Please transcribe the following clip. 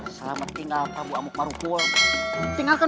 dan selamatkan aklan semua orang yang sudah mati